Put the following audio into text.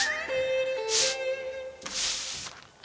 kau tidak bisa menangkap kucing kucing di tempat kumuh